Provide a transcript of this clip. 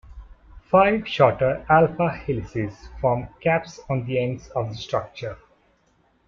Five shorter alpha helices form caps on the ends of the structure.